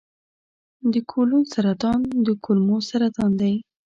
د کولون سرطان د کولمو سرطان دی.